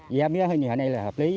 giá mía hôm nay hợp lý